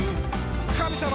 「神様！」